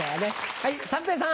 はい三平さん。